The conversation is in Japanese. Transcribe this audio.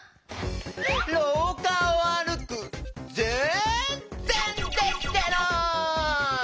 ろうかをあるくぜんぜんできてない！